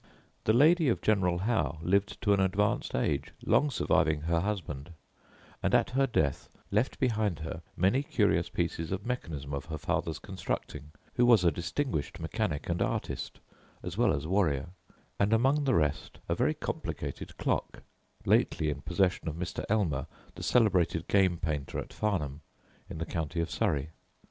The lady of General Howe lived to an advanced age, long surviving her husband; and, at her death, left behind her many curious pieces of mechanism of her father's constructing, who was a distinguished mechanic and artist, as well as warrior; and, among the rest, a very complicated clock, lately in possession of Mr. Elmer, the celebrated game painter at Farnham, in the county of Surrey.